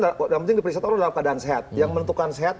dalam keadaan sehat yang menentukan sehat